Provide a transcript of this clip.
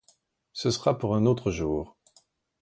Ce sera pour un autre jour.